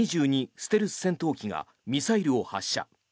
ステルス戦闘機がミサイルを発射。